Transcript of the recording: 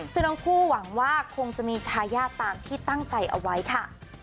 ซึ่งทั้งคู่หวังว่าคงจะมีทายาทตามที่ตั้งใจเอาไว้ค่ะ